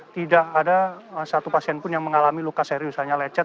tidak ada satu pasien pun yang mengalami luka serius hanya lecet